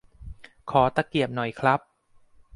ขอตะเกียบหน่อยครับ